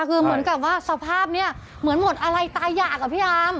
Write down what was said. คือเหมือนกับว่าสภาพนี้เหมือนหมดอะไรตายอยากอะพี่อาม